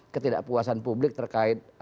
ketidakpuasan publik terkait